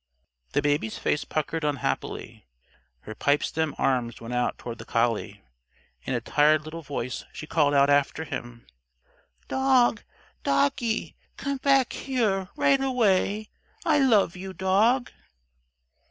The Baby's face puckered unhappily. Her pipestem arms went out toward the collie. In a tired little voice she called after him: "Dog! Doggie! Come back here, right away! I love you, Dog!"